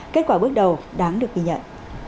kết quả bước đầu đáng được ghi nhận